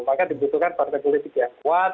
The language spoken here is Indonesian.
maka dibutuhkan partai politik yang kuat